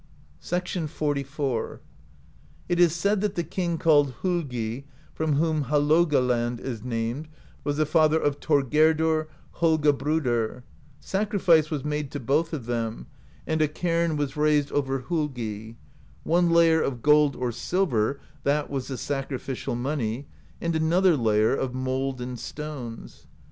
XLI V. " It is said that the king called Holgi, from whom Halogaland is named, was the father of Thorgerdr Holga brudr; sacrifice was made to both of them, and a cairn was raised over Holgi: one layer of gold or silver (that was the sac rificial money), and another layer of mould and stones.